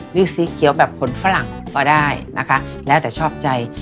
หรือสีเขียวแบบขนฝรั่งก็ได้นะคะแล้วแต่ชอบใจ